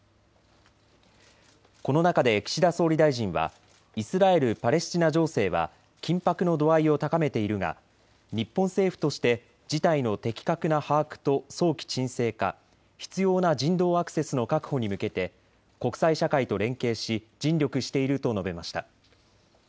この中で岸田総理大臣はイスラエル・パレスチナ情勢は緊迫の度合いを高めているが日本政府として事態の的確な把握と早期沈静化、必要な人道アクセスの確保に向けて国際社会と連携し尽力していると述べました。